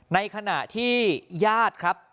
ในขณะที่ญาติครับ